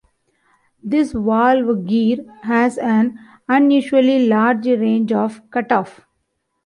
This valve gear has an unusually large range of cutoff.